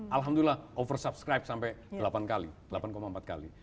alhamdulillah oversubscribe sampai delapan kali delapan empat kali